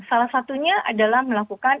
salah satunya adalah melakukan